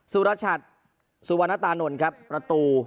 สุรชัดสุวรรณตานนท์ครับประตู